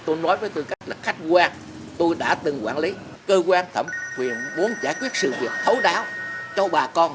tôi nói với tư cách là khách quan tôi đã từng quản lý cơ quan thẩm quyền muốn giải quyết sự việc thấu đáo cho bà con